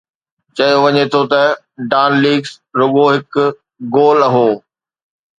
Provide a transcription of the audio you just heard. چيو وڃي ٿو ته ”ڊان ليڪس“ رڳو هڪ گول هو.